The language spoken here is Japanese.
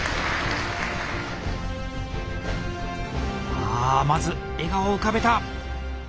ああまず笑顔を浮かべた。